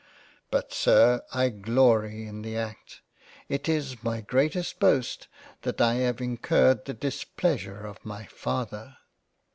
But Sir, I glory in the Act —. It is my greatest boast that I have incurred the displeasure of my Father